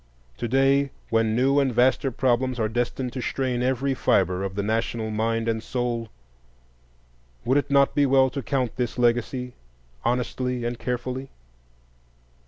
To day, when new and vaster problems are destined to strain every fibre of the national mind and soul, would it not be well to count this legacy honestly and carefully?